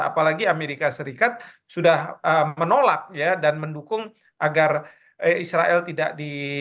apalagi amerika serikat sudah menolak dan mendukung agar israel tidak di